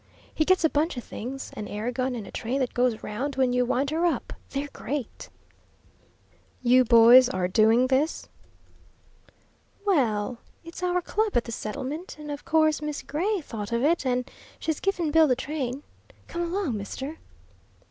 He gets a bunch of things an air gun, and a train that goes around when you wind her up. They're great!" "You boys are doing this?" "Well, it's our club at the settlement, and of course Miss Gray thought of it, and she's givin' Bill the train. Come along, mister."